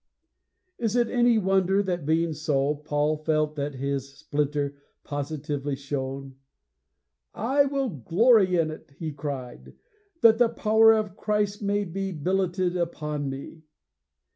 Is it any wonder that, this being so, Paul felt that his splinter positively shone? 'I will glory in it,' he cried, '_that the power of Christ may be billetted upon me.